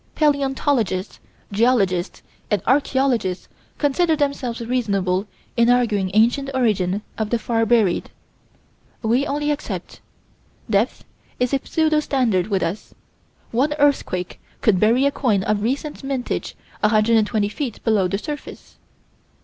Palaeontologists, geologists, and archaeologists consider themselves reasonable in arguing ancient origin of the far buried. We only accept: depth is a pseudo standard with us; one earthquake could bury a coin of recent mintage 120 feet below the surface.